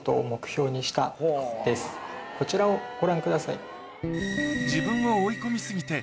こちらをご覧ください。